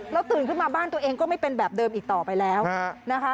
แล้วตื่นขึ้นมาบ้านตัวเองก็ไม่เป็นแบบเดิมอีกต่อไปแล้วนะคะ